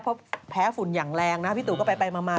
เพราะแพ้ฝุ่นอย่างแรงนะพี่ตูก็ไปมา